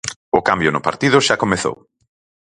O cambio no partido xa comezou.